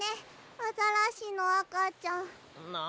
アザラシのあかちゃん。なあ。